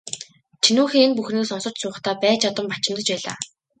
Чинүүхэй энэ бүхнийг сонсож суухдаа байж ядан бачимдаж байлаа.